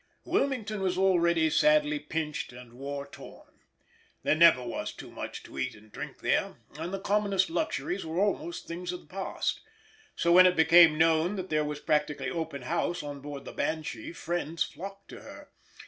Wilmington was already sadly pinched and war worn. There never was too much to eat and drink there, and the commonest luxuries were almost things of the past; so when it became known that there was practically open house on board the Banshee friends flocked to her.